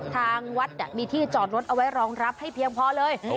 ทางวัดมีที่จอดรถเอาไว้รองรับให้เพียงพอเลย